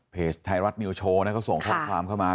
เพจไทยรัฐมิวโชว์ก็ส่งข้อความเข้ามา